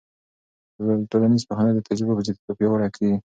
ټولنیز پوهه د تجربو په زیاتېدو پیاوړې کېږي.